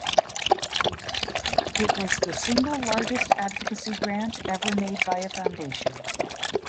It was the single largest advocacy grant ever made by a foundation.